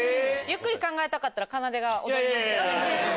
ゆっくり考えたかったらかなでが踊りますけど。